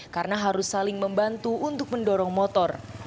karena harus saling membantu untuk mendorong motor